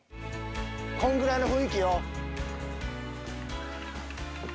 こんぐらいの雰囲気よ。